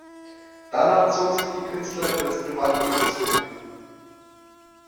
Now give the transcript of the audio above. Danach zog sich die Künstlerin ins Privatleben zurück.